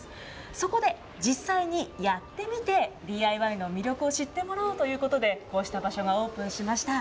そこで、実際にやってみて、ＤＩＹの魅力を知ってもらおうということで、こうした場所がオープンしました。